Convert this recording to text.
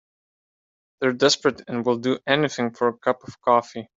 They're desperate and will do anything for a cup of coffee.